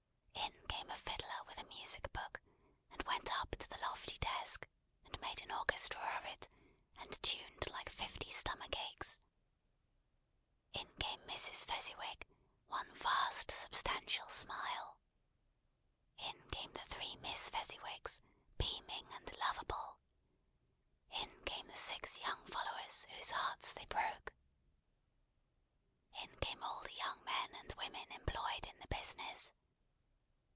In came a fiddler with a music book, and went up to the lofty desk, and made an orchestra of it, and tuned like fifty stomach aches. In came Mrs. Fezziwig, one vast substantial smile. In came the three Miss Fezziwigs, beaming and lovable. In came the six young followers whose hearts they broke. In came all the young men and women employed in the business.